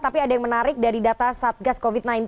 tapi ada yang menarik dari data satgas covid sembilan belas